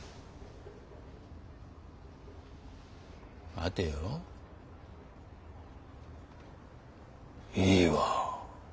待てよ。いいわ。